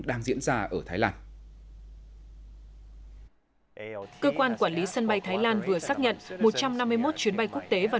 đang diễn ra ở thái lan cơ quan quản lý sân bay thái lan vừa xác nhận một trăm năm mươi một chuyến bay quốc tế và